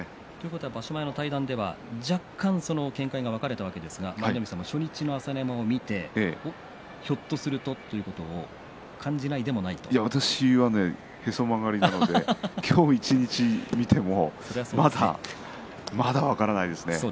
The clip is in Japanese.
場所前の対談では若干、見解が分かれたわけですが舞の海さん、初日の朝乃山を見てひょっとするとということ私はねへそ曲がりなので今日一日を見ても確かに。